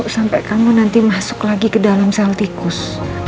sampai kamu nanti masuk lagi ke dalam sel tikus